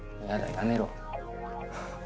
やめろ